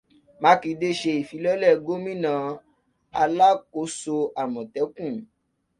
Mákindé ṣe ìfilọ́lẹ̀ ìgbìmọ̀ àlákòóso Àmọ̀tẹ́kùn.